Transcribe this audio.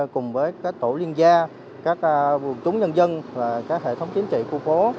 cùng với các tổ liên gia các vùng chúng nhân dân và các hệ thống chính trị khu phố